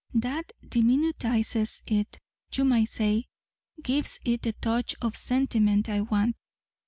"That diminutizes it, you might say gives it the touch of sentiment I want.